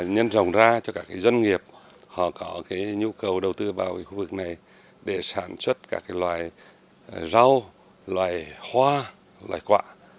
nhân rồng ra cho các dân nghiệp họ có nhu cầu đầu tư vào khu vực này để sản xuất các loại rau loại hoa loại quạ